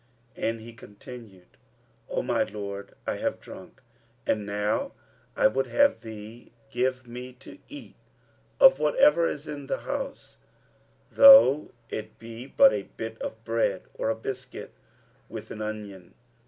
'" And he continued, "O my lord, I have drunk, and now I would have thee give me to eat of whatever is in the house, though it be but a bit of bread or a biscuit with an onion."